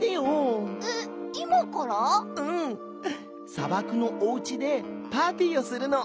さばくのおうちでパーティーをするの。